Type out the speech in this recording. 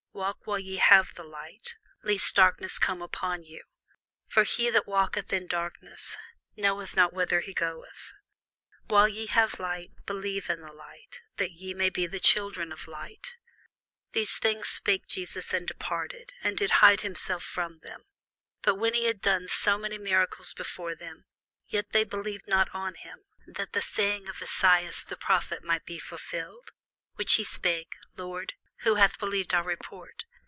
Walk while ye have the light, lest darkness come upon you: for he that walketh in darkness knoweth not whither he goeth. While ye have light, believe in the light, that ye may be the children of light. These things spake Jesus, and departed, and did hide himself from them. But though he had done so many miracles before them, yet they believed not on him: that the saying of Esaias the prophet might be fulfilled, which he spake, Lord, who hath believed our report?